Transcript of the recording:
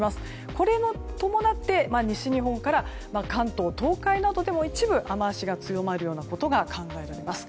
これに伴って西日本から関東・東海などでも、一部雨脚が強まることが考えられます。